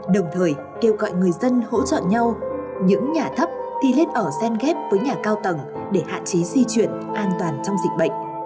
đồng thời kêu gọi người dân hỗ trợ nhau những nhà thấp thì lên ở sen ghép với nhà cao tầng để hạn chế di chuyển an toàn trong dịch bệnh